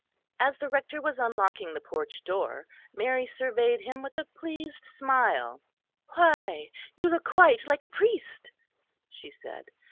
As the Rector was unlocking the porch door, Mary surveyed him with a pleased smile. "Why, you look quite like a priest," she said.